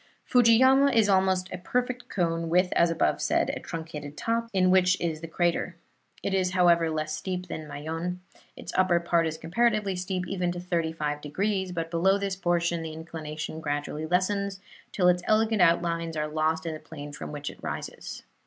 Fujiyama is almost a perfect cone, with, as above said, a truncated top, in which is the crater. It is, however, less steep than Mayon. Its upper part is comparatively steep, even to thirty five degrees, but below this portion the inclination gradually lessens, till its elegant outlines are lost in the plain from which it rises.